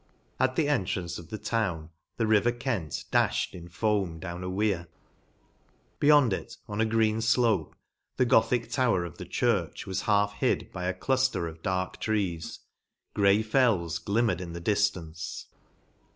At the entrance of the town, the river Kent darned in foam down a weir ; beyond it, on a green flope, the gothic tower of the church was half hid by a clufter of dark trees ; gray fells glimmered in the diftance.